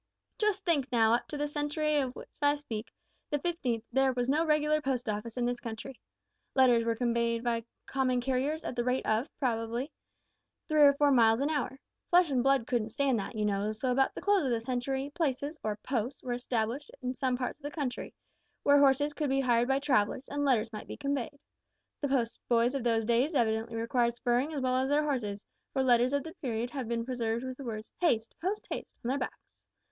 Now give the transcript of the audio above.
Just think, now, up to the century of which I speak the fifteenth there was no regular Post Office in this country. Letters were conveyed by common carriers at the rate, probably, of three or four miles an hour. Flesh and blood couldn't stand that, you know, so about the close of the century, places, or `posts,' were established in some parts of the country, where horses could be hired by travellers, and letters might be conveyed. The post boys of those days evidently required spurring as well as their horses, for letters of the period have been preserved with the words `_Haste, post haste_' on their backs.